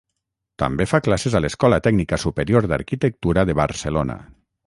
També fa classes a l'Escola Tècnica Superior d'Arquitectura de Barcelona.